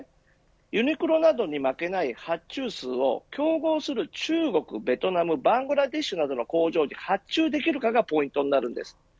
ユニクロなどに負けない発注数を競合する中国、ベトナムバングラデシュなどの工場に発注できるかがポイントです。